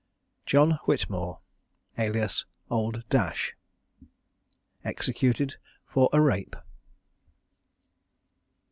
JOHN WHITMORE, alias OLD DASH. EXECUTED FOR A RAPE.